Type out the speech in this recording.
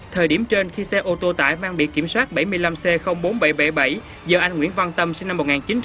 thời điểm trên khi xe ô tô tải mang bị kiểm soát bảy mươi năm c bốn nghìn bảy trăm bảy mươi bảy do anh nguyễn văn tâm sinh năm một nghìn chín trăm tám mươi